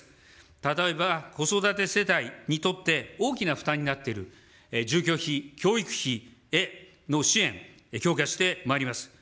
例えば子育て世帯にとって、大きな負担になっている住居費、教育費への支援、強化してまいります。